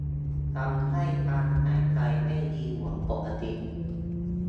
ทำให้การหายใจไม่ดีเหมือนปกติ